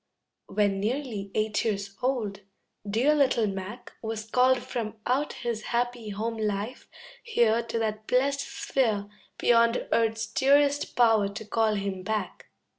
When nearly eight years old, dear little Mac Was called from out his happy home life here To that blest sphere Beyond earth's dearest power to call him back.